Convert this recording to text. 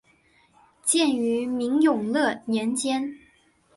建于明永乐年间。